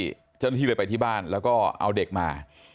เจ้าหน้าที่เลยไปที่บ้านแล้วก็เอาเด็กมา